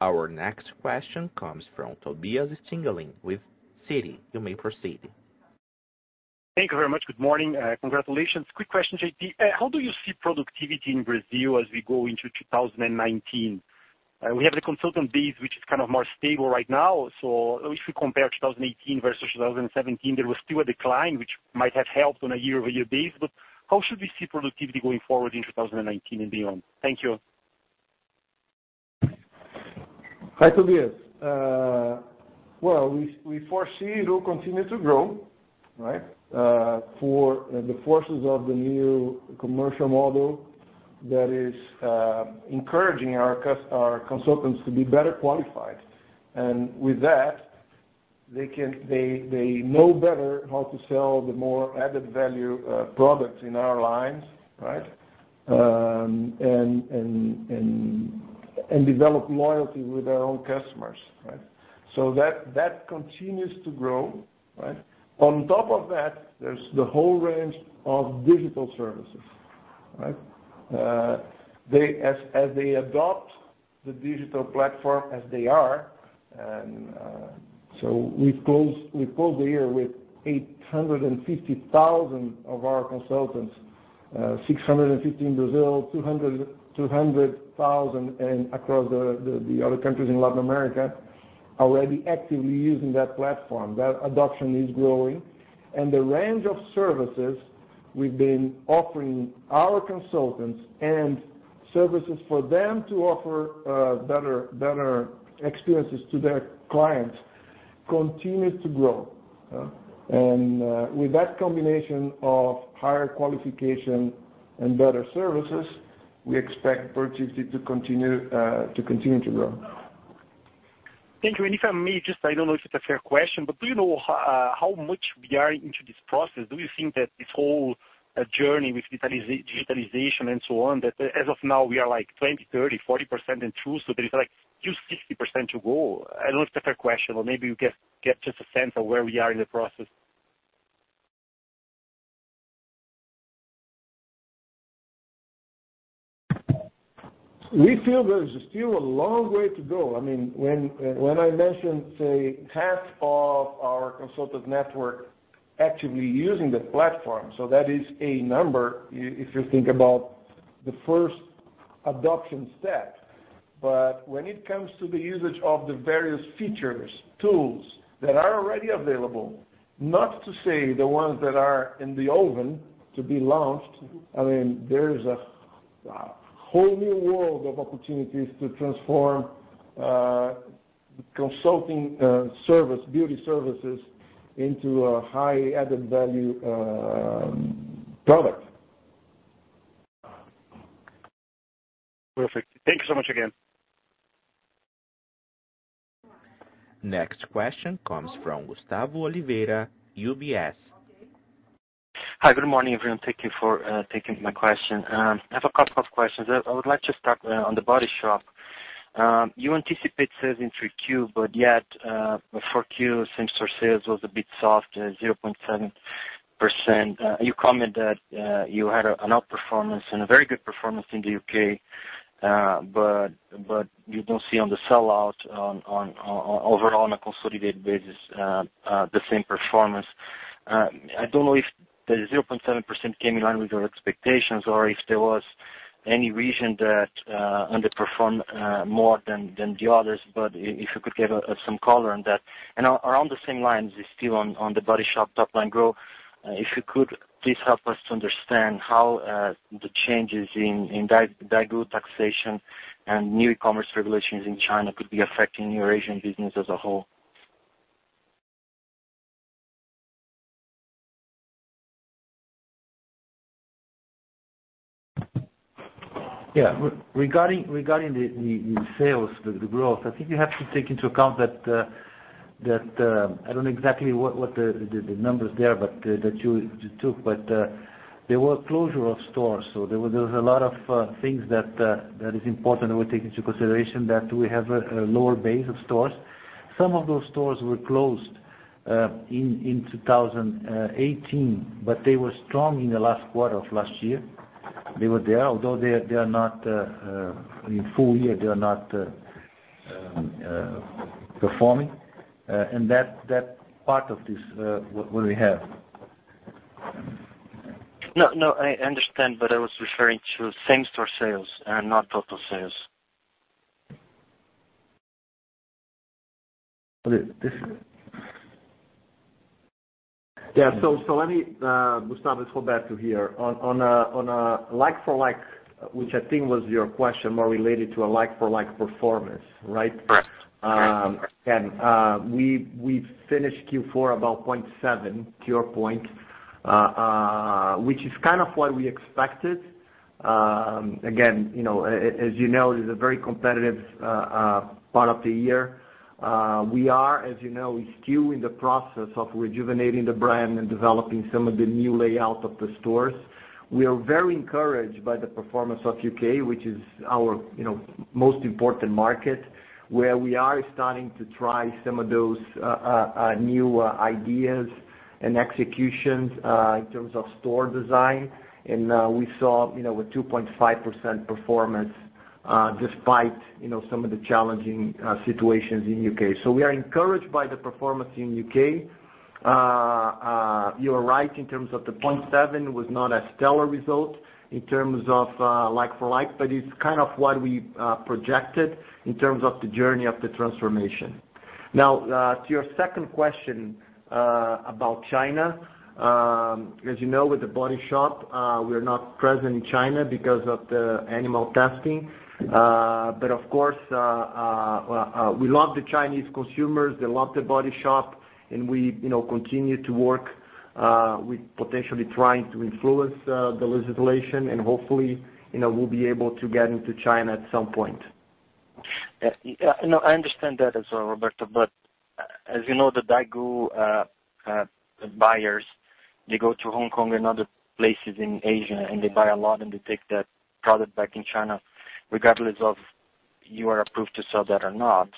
Our next question comes from Tobias Stingelin with Citi. You may proceed. Thank you very much. Good morning. Congratulations. Quick question, João Paulo Ferreira. How do you see productivity in Brazil as we go into 2019? We have the consultant base, which is kind of more stable right now. If we compare 2018 versus 2017, there was still a decline, which might have helped on a year-over-year basis. How should we see productivity going forward in 2019 and beyond? Thank you. Hi, Tobias Stingelin. Well, we foresee it will continue to grow, right? For the forces of the new commercial model that is encouraging our consultants to be better qualified. With that, they know better how to sell the more added value products in our lines, right? Develop loyalty with their own customers, right? That continues to grow, right? On top of that, there's the whole range of digital services. Right. As they adopt the digital platform as they are, we've closed the year with 850,000 of our consultants, 650,000 in Brazil, 200,000 across the other countries in Latin America, already actively using that platform. That adoption is growing. The range of services we've been offering our consultants and services for them to offer better experiences to their clients continues to grow. With that combination of higher qualification and better services, we expect productivity to continue to grow. Thank you. If I may, just, I don't know if it's a fair question, do you know how much we are into this process? Do you think that this whole journey with digitalization and so on, that as of now we are like 20%, 30%, 40% and true, there is like still 60% to go? I don't know if it's a fair question or maybe you get just a sense of where we are in the process. We feel there's still a long way to go. When I mentioned, say, half of our consultant network actively using the platform, that is a number, if you think about the first adoption step. When it comes to the usage of the various features, tools that are already available, not to say the ones that are in the oven to be launched, there is a whole new world of opportunities to transform consulting service, beauty services into a high added value product. Perfect. Thank you so much again. Next question comes from Gustavo Oliveira, UBS. Hi, good morning, everyone. Thank you for taking my question. I have a couple of questions. I would like to start on The Body Shop. You anticipate sales in Q3. Yet, Q4 same store sales was a bit soft at 0.7%. You comment that you had an outperformance and a very good performance in the U.K. You don't see on the sellout on overall on a consolidated basis, the same performance. I don't know if the 0.7% came in line with your expectations or if there was any region that underperformed more than the others. If you could give some color on that. Around the same lines, still on The Body Shop top-line growth, if you could please help us to understand how the changes in Daigou taxation and new e-commerce regulations in China could be affecting your Asian business as a whole. Yeah. Regarding the sales, the growth, I think you have to take into account that, I don't know exactly what the numbers there, but that you took, but there were closure of stores. There was a lot of things that is important that we take into consideration that we have a lower base of stores. Some of those stores were closed in 2018. They were strong in the last quarter of last year. They were there, although they are not, in full year, they are not performing. That part of this, what we have. No, I understand, but I was referring to same store sales and not total sales. Let me, Gustavo Oliveira, it's Roberto Marques here. On a like for like, which I think was your question, more related to a like for like performance, right? Correct. We finished Q4 about 0.7%, to your point, which is kind of what we expected. Again, as you know, it is a very competitive part of the year. We are, as you know, still in the process of rejuvenating the brand and developing some of the new layout of the stores. We are very encouraged by the performance of U.K., which is our most important market, where we are starting to try some of those new ideas and executions, in terms of store design. We saw a 2.5% performance, despite some of the challenging situations in U.K. We are encouraged by the performance in U.K. You are right in terms of the 0.7% was not a stellar result in terms of like for like, but it's kind of what we projected in terms of the journey of the transformation. Now, to your second question, about China. As you know, with The Body Shop, we're not present in China because of the animal testing. Of course, we love the Chinese consumers, they love The Body Shop, and we continue to work with potentially trying to influence the legislation and hopefully, we'll be able to get into China at some point. No, I understand that as well, Roberto Marques. As you know, the Daigou buyers, they go to Hong Kong and other places in Asia, and they buy a lot and they take that product back in China, regardless of. You are approved to sell that or not,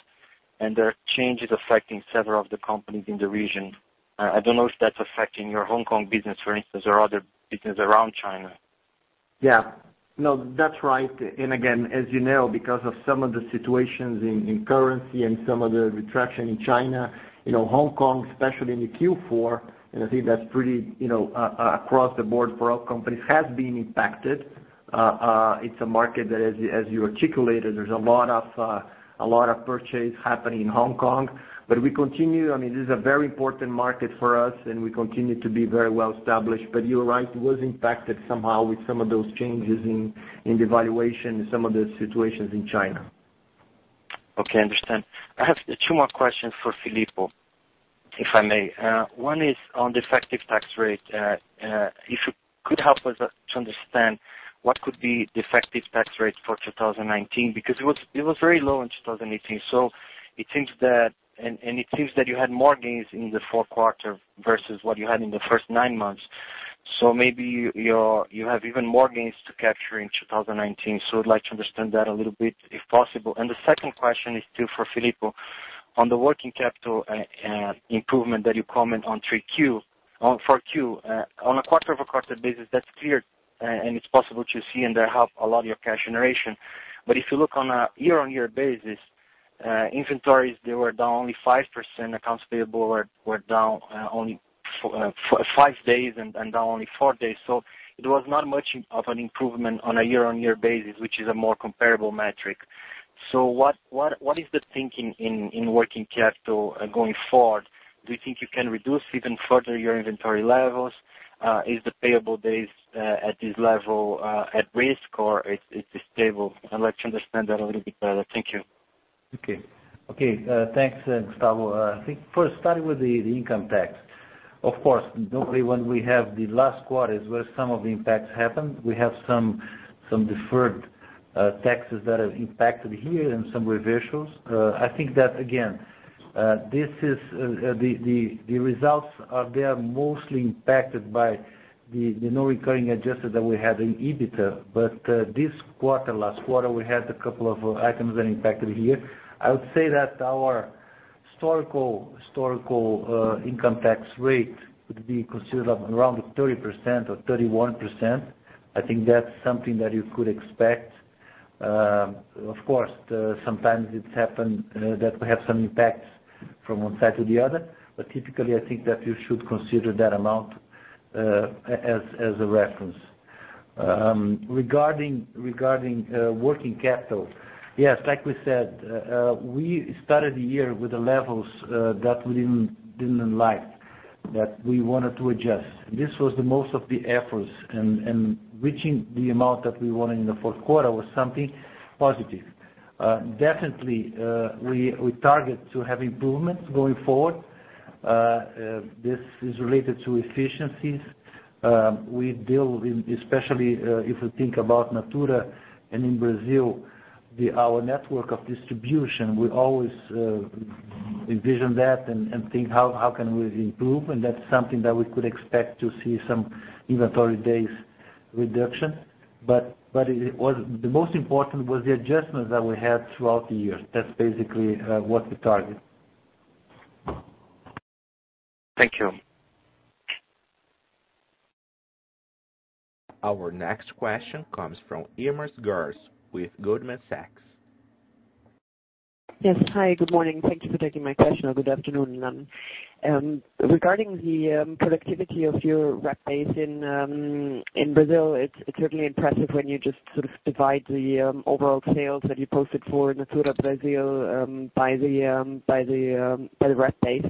and there are changes affecting several of the companies in the region. I don't know if that's affecting your Hong Kong business, for instance, or other business around China. Yeah. No, that's right. Again, as you know, because of some of the situations in currency and some of the retraction in China, Hong Kong, especially in the Q4, and I think that's pretty across the board for all companies, has been impacted. It's a market that, as you articulated, there's a lot of purchase happening in Hong Kong. We continue, this is a very important market for us, and we continue to be very well-established. You're right, it was impacted somehow with some of those changes in the valuation and some of the situations in China. Okay, understand. I have two more questions for José Filippo, if I may. One is on the effective tax rate. If you could help us to understand what could be the effective tax rate for 2019, because it was very low in 2018. It seems that you had more gains in the fourth quarter versus what you had in the first nine months. Maybe you have even more gains to capture in 2019. I'd like to understand that a little bit, if possible. The second question is too for José Filippo. On the working capital improvement that you comment on Q3, on Q4. On a quarter-over-quarter basis, that's clear, and it's possible to see and that help a lot of your cash generation. If you look on a year-on-year basis, inventories, they were down only 5%, accounts payable were down only five days and down only four days. It was not much of an improvement on a year-on-year basis, which is a more comparable metric. What is the thinking in working capital going forward? Do you think you can reduce even further your inventory levels? Is the payable days at this level at risk, or it is stable? I'd like to understand that a little bit better. Thank you. Okay. Thanks, Gustavo Oliveira. I think first, starting with the income tax. Of course, normally when we have the last quarters where some of the impacts happened, we have some deferred taxes that have impacted here and some reversals. I think that, again, the results are mostly impacted by the non-recurring adjusted that we had in EBITDA. This quarter, last quarter, we had a couple of items that impacted here. I would say that our historical income tax rate would be considered around 30% or 31%. I think that's something that you could expect. Of course, sometimes it's happened that we have some impacts from one side to the other. Typically, I think that you should consider that amount as a reference. Regarding working capital. Yes, like we said, we started the year with the levels that we didn't like, that we wanted to adjust. This was the most of the efforts, reaching the amount that we wanted in the fourth quarter was something positive. Definitely we target to have improvements going forward. This is related to efficiencies. We build, especially if you think about Natura and in Brazil, our network of distribution, we always envision that and think how can we improve, and that's something that we could expect to see some inventory days reduction. The most important was the adjustments that we had throughout the year. That's basically what we target. Thank you. Our next question comes from Irma Gherzi with Goldman Sachs. Hi, good morning. Thank you for taking my question, or good afternoon then. Regarding the productivity of your rep base in Brazil, it's certainly impressive when you just sort of divide the overall sales that you posted for Natura Brazil by the rep base.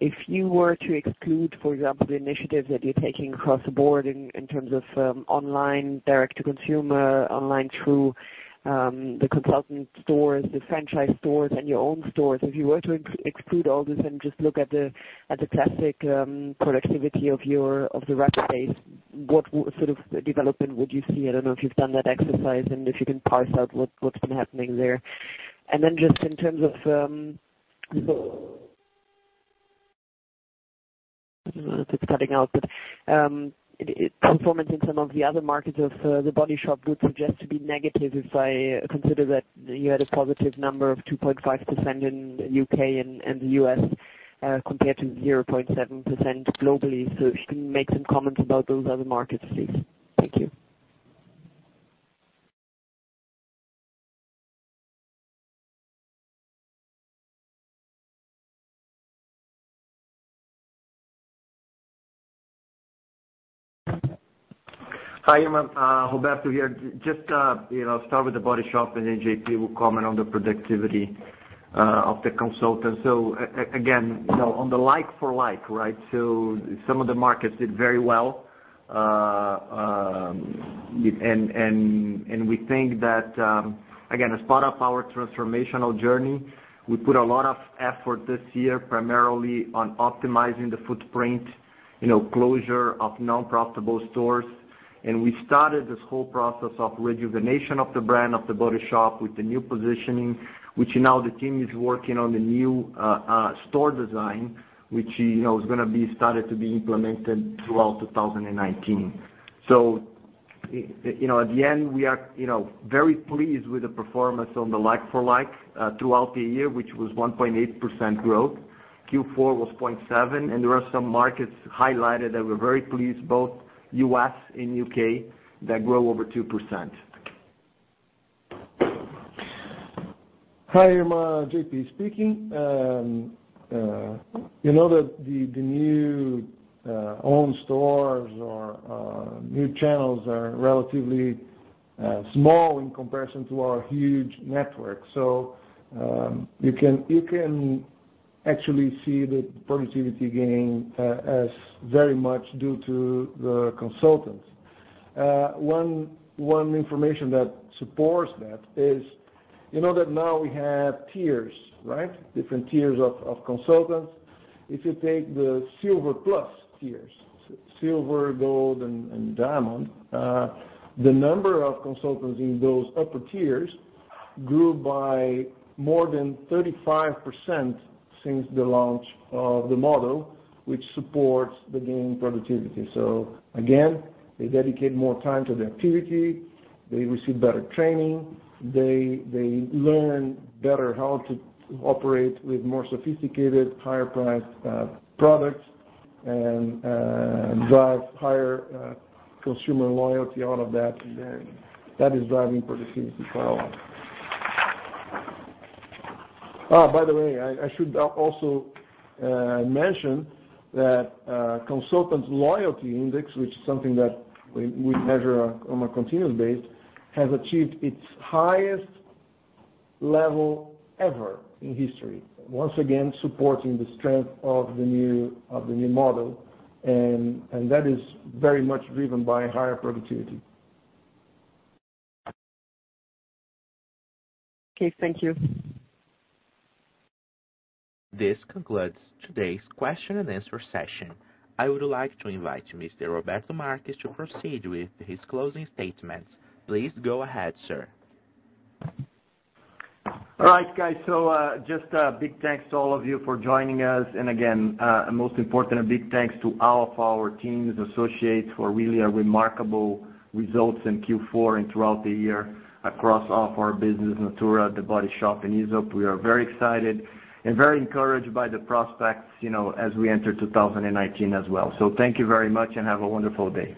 If you were to exclude, for example, the initiatives that you're taking across the board in terms of online direct to consumer, online through the consultant stores, the franchise stores, and your own stores. If you were to exclude all this and just look at the classic productivity of the rep base, what sort of development would you see? I don't know if you've done that exercise and if you can parse out what's been happening there. Just in terms of-- It's cutting out. Performance in some of the other markets of The Body Shop would suggest to be negative if I consider that you had a positive number of 2.5% in U.K. and the U.S. compared to 0.7% globally. If you can make some comments about those other markets, please. Thank you. Hi, Irma Gherzi. Roberto Marques here. Start with The Body Shop, João Paulo Ferreira will comment on the productivity of the consultants. Again, on the like for like, right? Some of the markets did very well. We think that, again, as part of our transformational journey, we put a lot of effort this year, primarily on optimizing the footprint, closure of non-profitable stores. We started this whole process of rejuvenation of the brand of The Body Shop with the new positioning, which now the team is working on the new store design, which is going to be started to be implemented throughout 2019. At the end, we are very pleased with the performance on the like-for-like throughout the year, which was 1.8% growth. Q4 was 0.7%. There are some markets highlighted that we're very pleased, both U.S. and U.K., that grow over 2%. Hi, Irma Gherzi, João Paulo Ferreira speaking. You know that the new own stores or new channels are relatively small in comparison to our huge network. You can actually see the productivity gain as very much due to the consultants. One information that supports that is, you know that now we have tiers, right? Different tiers of consultants. If you take the silver plus tiers, silver, gold, and diamond, the number of consultants in those upper tiers grew by more than 35% since the launch of the model, which supports the gain in productivity. Again, they dedicate more time to the activity. They receive better training. They learn better how to operate with more sophisticated, higher priced products and drive higher consumer loyalty out of that. That is driving productivity for our. By the way, I should also mention that consultants' loyalty index, which is something that we measure on a continuous base, has achieved its highest level ever in history. Once again, supporting the strength of the new model, and that is very much driven by higher productivity. Okay, thank you. This concludes today's question and answer session. I would like to invite Mr. Roberto Marques to proceed with his closing statements. Please go ahead, sir. All right, guys. Just a big thanks to all of you for joining us. Again, most important, a big thanks to all of our teams, associates for really a remarkable results in Q4 and throughout the year across all of our business, Natura, The Body Shop, and Aesop. We are very excited and very encouraged by the prospects as we enter 2019 as well. Thank you very much and have a wonderful day.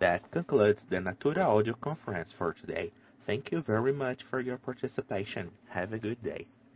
That concludes the Natura audio conference for today. Thank you very much for your participation. Have a good day.